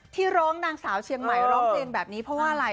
ที่ร้องนางสาวเชียงใหม่ร้องเพลงแบบนี้เพราะว่าอะไร